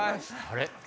あれ？